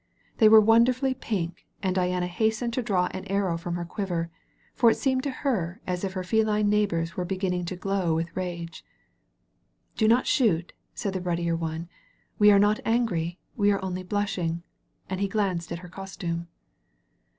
They were wonderfully pink» and Diana hastened to draw an arrow from her quiver, for it seemed to her as if her feline neighbors were beginning to glow with rage. "Do not shoot," said the ruddier one; "we are not angry, we are only blushing." And he glanced at her costume.